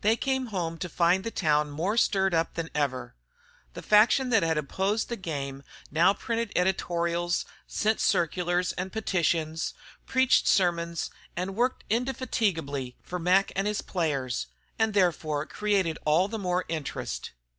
They came home to find the town more stirred up than ever. The faction that had opposed the game now printed editorials, sent circulars and petitions, preached sermons, and worked indefatigably for Mac and his players, and therefore created all the more interest.